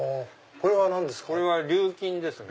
これは何ですか？